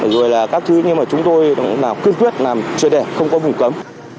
rồi là các thứ như mà chúng tôi làm quyên quyết làm chưa để không có vùng cấm